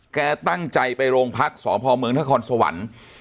แกตั้งใจไปโรงพักษพเมืองนครสวรรค์